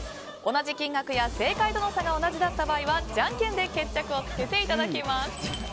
同じ金額や正解との差が同じだった場合はじゃんけんで決着をつけていただきます。